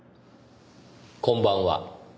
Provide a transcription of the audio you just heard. こんばんは。